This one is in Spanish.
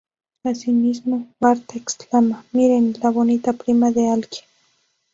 Asimismo, Bart exclama ""¡Miren, la bonita prima de alguien!